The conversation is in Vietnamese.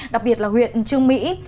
đặc biệt là huyện trương mỹ